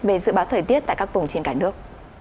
về dự báo thời tiết tại các vùng trên cả nước